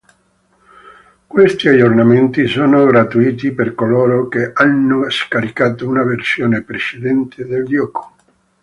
Questi aggiornamenti sono gratuiti per coloro che hanno scaricato una versione precedente del gioco.